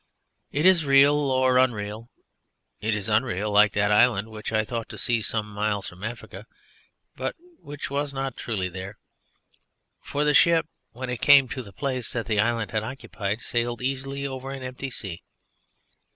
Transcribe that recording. It is real or unreal. It is unreal like that island which I thought to see some miles from Africa, but which was not truly there: for the ship when it came to the place that island had occupied sailed easily over an empty sea.